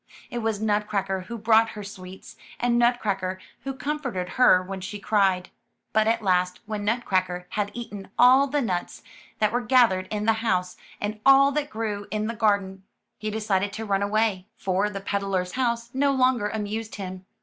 It was Nutcracker who brought her sweets, and Nutcracker who com forted her when she cried. But at last, when Nut cracker had eaten all the nuts that were gathered in the house, and all that grew in the garden, he de cided to run away, for the peddler^s house no longer amused him.